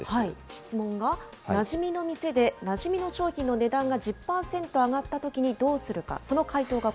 質問が、なじみの店でなじみの商品の値段が１０％上がったときにどうするか。